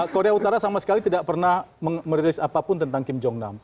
korea utara sama sekali tidak pernah merilis apapun tentang kim jong nam